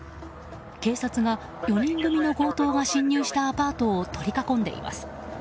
警察が、４人組の強盗が侵入したアパートを取り囲んでいます。